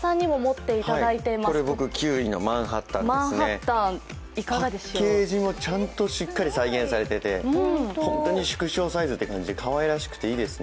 ９位のマンハッタンですね、パッケージもちゃんとしっかり再現されていて、本当に縮小サイズって感じ、かわいらしくていいですね。